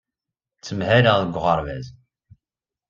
Ttmahaleɣ deg uɣerbaz.